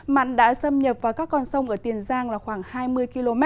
mặn đã xâm nhập vào các con sông ở tiền giang là khoảng hai mươi km